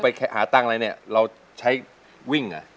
ไปหาตั้งอะไรเราใช้วิ่งไหม